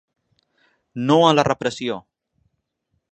No a la repressió.